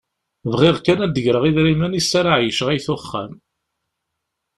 Bɣiɣ kan ad d-greɣ idrimen iss ara εeyyceɣ ayt uxxam.